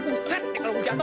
jangan jangan jangan